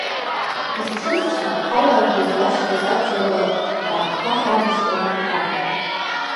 Афашистцәа ҳауаажәлар зларшьуаз абџьар ала ҳара ҳтәқәа храбашьуама ҳәа.